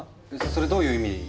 それどういう意味？